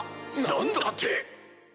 何だって？